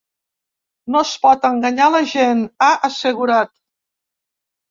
“No es pot enganyar a la gent”, ha assegurat.